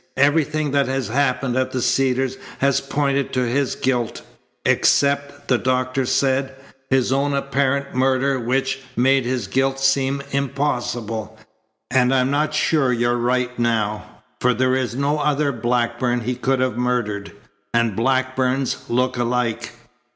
Everything that has happened at the Cedars has pointed to his guilt." "Except," the doctor said, "his own apparent murder which made his guilt seem impossible. And I'm not sure you're right now, for there is no other Blackburn he could have murdered, and Blackburns look alike.